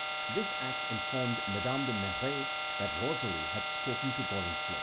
This act informed Madame de Merret that Rosalie had spoken to Gorenflot.